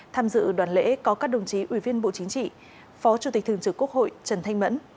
tham dự đoàn lễ có các đồng chí ủy viên bộ chính trị phó chủ tịch thường trực quốc hội trần thanh mẫn